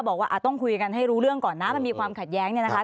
บอกว่าต้องคุยกันให้รู้เรื่องก่อนนะมันมีความขัดแย้งเนี่ยนะคะ